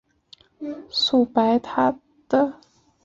栗川白塔的历史年代为宋代。